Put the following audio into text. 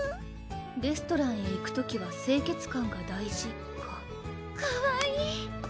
「レストランへ行く時は清潔感が大事」かかわいい！